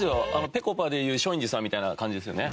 ぺこぱで言う松陰寺さんみたいな感じですよね。